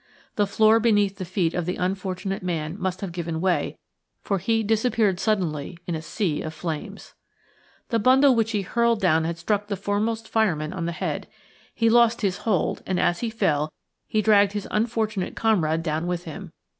The floor beneath the feet of the unfortunate man must have given way, for he disappeared suddenly in a sea of flames. The bundle which he had hurled down had struck the foremost fireman on the head. He lost his hold, and as he fell he dragged his unfortunate comrade down with him.